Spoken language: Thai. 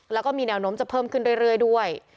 แล้วก็มีแนวโน้มจะเพิ่มขึ้นเรื่อยด้วย